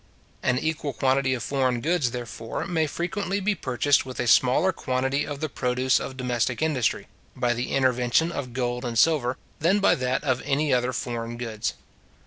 An equal quantity of foreign goods, therefore, may frequently be purchased with a smaller quantity of the produce of domestic industry, by the intervention of gold and silver, than by that of any other foreign goods.